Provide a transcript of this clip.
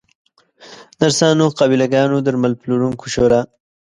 نرسانو، قابله ګانو، درمل پلورونکو شورا